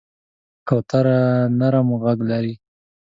کوتره نرم غږ لري.